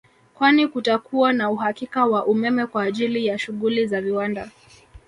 Kwani kutakuwa na uhakika wa umeme kwa ajili ya shughuli za viwanda